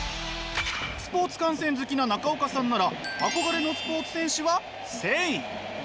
スポーツ観戦好きな中岡さんなら憧れのスポーツ選手は聖。